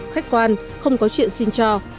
khách quan không có chuyện xin cho